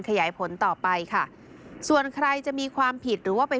ขยายผลต่อไปค่ะส่วนใครจะมีความผิดหรือว่าไป